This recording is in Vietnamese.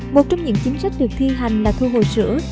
một trong những chính sách được thi hành là thu hồi sữa